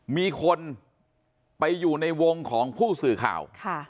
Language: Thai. มีคนไปอยู่ในวงของผู้สื่อข่าว